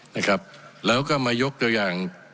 นะครับแล้วก็มายกตัวอย่าง